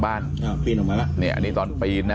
บ้านอันนี้ตอนปีนนะ